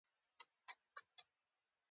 لومړنی حالت یې شعوري رامنځته کېږي.